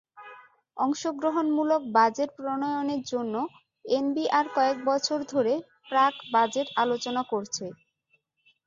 অংশগ্রহণমূলক বাজেট প্রণয়নের জন্য এনবিআর কয়েক বছর ধরে প্রাক-বাজেট আলোচনা করছে।